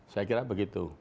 saya kira begitu